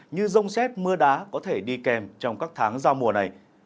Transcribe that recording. như rông xét mưa đá có thể đi kèm trong các tháng giao mùa này